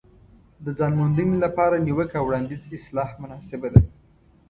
د ځان موندنې لپاره نیوکه او وړاندیز اصطلاح مناسبه ده.